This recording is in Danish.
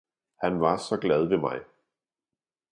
han var saa glad ved mig.